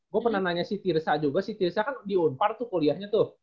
gue pernah nanya si tirsa juga si tirsa kan diunmpar tuh kuliahnya tuh